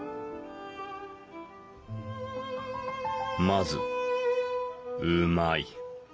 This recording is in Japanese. まずうまい。